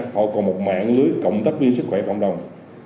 họ còn một mạng lưới cộng tác viên sức khỏe cộng đồng